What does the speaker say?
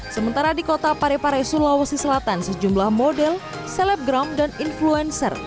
sementara di kota parepare sulawesi selatan sejumlah model selebgram dan influencer